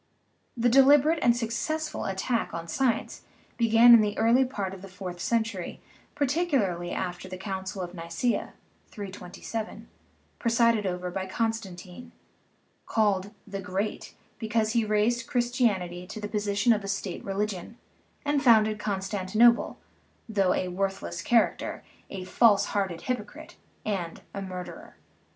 The deliberate and successful attack on science began in the early part of the fourth century, particularly after the Coun cil of Nicaea (327), presided over by Constantine called the "Great" because he raised Christianity to the po 316 SCIENCE AND CHRISTIANITY sition of a state religion, and founded Constantinople, though a worthless character, a false hearted hypo crite, and a murderer.